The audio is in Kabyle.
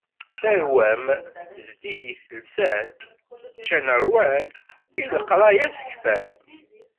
Tarwa-w zeddigit lsan, ččan rwan, i leqraya sekfan.